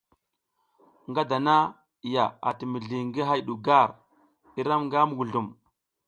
Nga dana ya ati mizli ngi hay du gar i ram nga muguzlum.